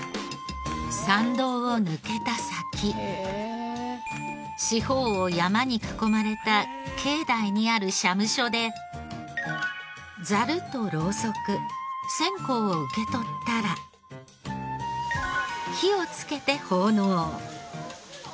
参道を抜けた先四方を山に囲まれた境内にある社務所でザルとロウソク線香を受け取ったら火をつけて奉納。